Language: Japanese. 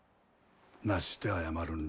なして謝るんら。